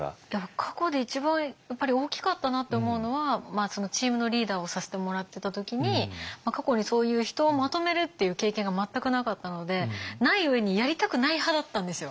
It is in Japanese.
過去で一番大きかったなと思うのはチームのリーダーをさせてもらってた時に過去にそういう人をまとめるっていう経験が全くなかったのでない上にやりたくない派だったんですよ。